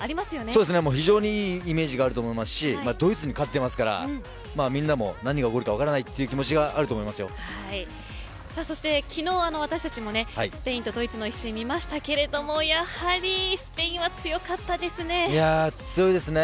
そうですね、非常にイメージがあると思いますしドイツに勝ってますからみんなも何が起こるか分からないという気持ちがそして昨日、私たちもスペインとドイツの一戦、見ましたけどもやはりスペインは強かったですね。